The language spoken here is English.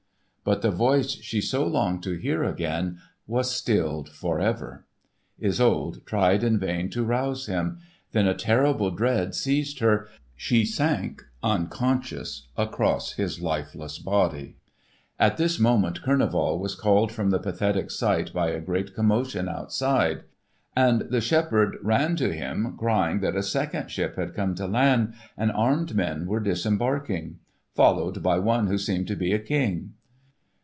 But the voice she so longed to hear again was stilled forever. Isolde tried in vain to rouse him, then a terrible dread seizing her, she sank unconscious across his lifeless body. At this moment Kurneval was called from the pathetic sight by a great commotion outside; and the shepherd ran to him crying that a second ship had come to land and armed men were disembarking, followed by one who seemed to be a King.